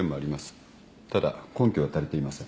ただ根拠は足りていません。